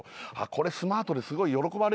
「これスマートですごい喜ばれるな」